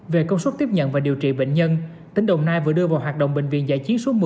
về công suất tiếp nhận và điều trị bệnh nhân tỉnh đồng nai vừa đưa vào hoạt động bệnh viện giải chiến số một mươi